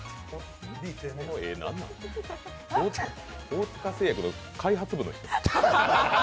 大塚製薬の開発部の人。